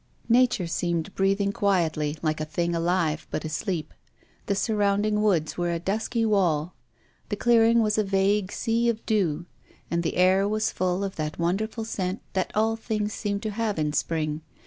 Nature seemed breath ing quietly, like a thing alive but asleep. The surrounding woods were a dusky wall. The clear ing was a vague sea of dew. And the air was full of that wonderful scent that all things seem to have in spring.